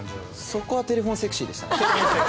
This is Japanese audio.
そこはテレフォンセクシーでしたね。